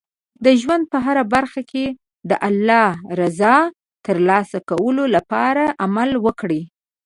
د ژوند په هره برخه کې د الله رضا ترلاسه کولو لپاره عمل وکړئ.